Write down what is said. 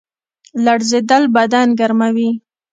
لړزیدل بدن ګرموي